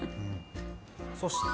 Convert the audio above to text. そして。